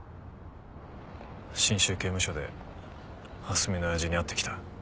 信州刑務所で蓮見の親父に会ってきた。